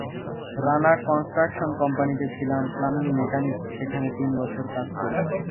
Rana construction কোম্পানিতে ছিলাম plumbing mechanic সেখানে তিন বছর কাজ করি।